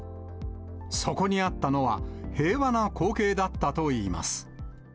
そこにあったのは平和な光景だったといいます。